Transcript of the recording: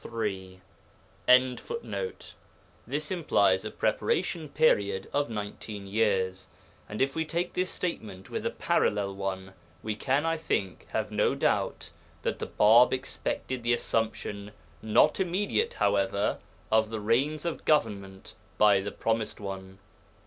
iii.] This implies a preparation period of nineteen years, and if we take this statement with a parallel one, we can, I think, have no doubt that the Bāb expected the assumption, not immediate however, of the reins of government by the Promised One.